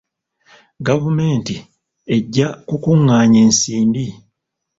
Gavumenti ejja kukungaanya ensmbi?